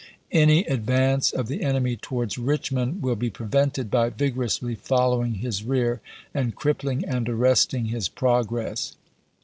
Any advance of the enemy towards Richmond will be prevented by vigorously following his rear, and crippling and arresting his progress."